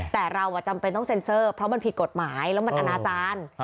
แต่เราจำเป็นต้องเซ็นเซอร์เพราะมันผิดกฎหมายแล้วมันอนาจารย์